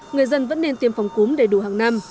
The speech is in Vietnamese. người dân vẫn nên tiêm phòng cúm đầy đủ hàng năm